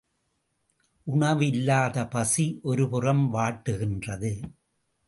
உணவு இல்லாத பசி ஒரு புறம் வாட்டுகின்றது.